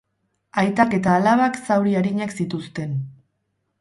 Aitak eta alabak zauri arinak zituzten.